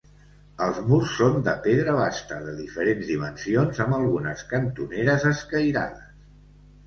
Els murs són de pedra basta de diferents dimensions, amb algunes cantoneres escairades.